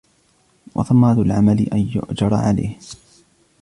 وَثَمَرَةُ الْعَمَلِ أَنْ يُؤْجَرَ عَلَيْهِ